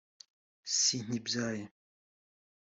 “sinyibyaye